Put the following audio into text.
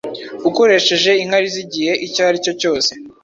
ukoresheje inkari z’igihe icyo ari cyo cyose